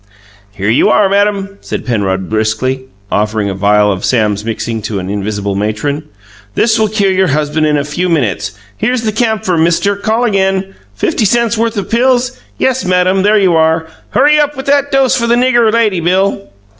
"Here you are, madam!" said Penrod briskly, offering a vial of Sam's mixing to an invisible matron. "This will cure your husband in a few minutes. Here's the camphor, mister. Call again! Fifty cents' worth of pills? Yes, madam. There you are! Hurry up with that dose for the nigger lady, Bill!"